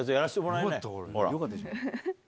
よかったじゃん。